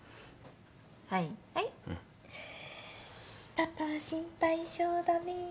パパは心配性だね。